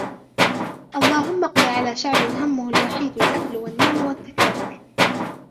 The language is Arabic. اللهم اقضي على شعب همه الوحيد الأكل و النوم و التكاثر.